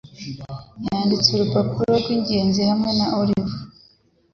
Yanditse urupapuro rw'ingenzi hamwe na Olivier